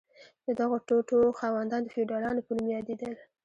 د دغو ټوټو خاوندان د فیوډالانو په نوم یادیدل.